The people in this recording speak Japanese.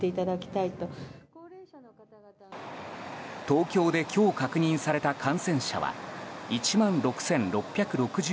東京で今日確認された感染者は１万６６６２人。